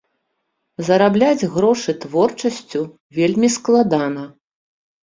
Зарабляць грошы творчасцю вельмі складана.